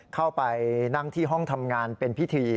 เข้าไปนั่งที่ห้องทำงานเป็นพิธี